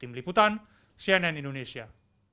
tim liputan cnn indonesia